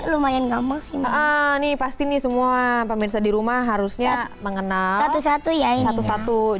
lumayan gamas sih ngani pasti nih semua pamirsa dis previously yeah sungguh singa ratus satu ya